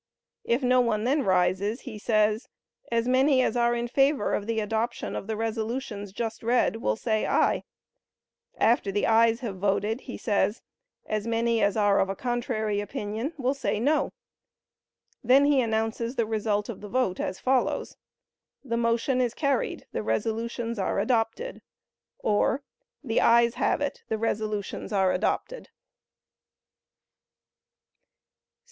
If no one then rises, he says, "As many as are in favor of the adoption of the resolutions just read, will say aye;" after the ayes have voted, he says, "As many as are of a contrary opinion will say no;" he then announces the result of the vote as follows: "The motion is carried—the resolutions are adopted," or, "The ayes have it—the resolutions are adopted."